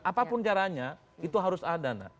apapun caranya itu harus ada nak